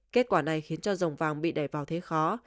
kết quả này khiến cho dòng vàng bị đẻ vào thế khó